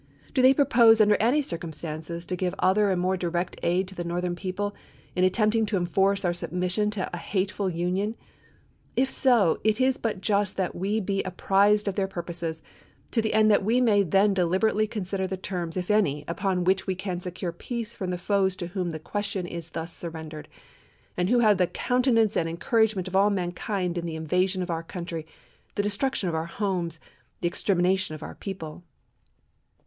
Do they propose under any circumstances to give other and more direct aid to the Northern people in attempt ing to enforce our submission to a hateful Union ? If so, it is but just that we be apprized of their purposes, to the end that we may then deliberately consider the terms, if any, upon which we can secure peace from the foes to whom the question is thus surrendered, and who have the countenance and encouragement of all mankind in the invasion of f0esifS£ our country, the destruction of our homes, the DMCs.!con6 4 extermination of our people." ircSvea.